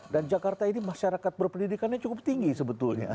dan jakarta ini masyarakat berpendidikannya cukup tinggi sebetulnya